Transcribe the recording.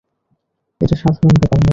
এটা সাধারণ ব্যাপার, মেস।